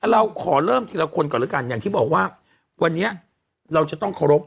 เราขอเริ่มทีละคนก่อนแล้วกันอย่างที่บอกว่าวันนี้เราจะต้องเคารพ